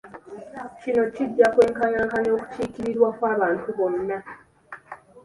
Kino kijja kwenkanyankanya okukiikirirwa kw'abantu bonna.